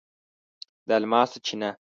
د الماسو چینه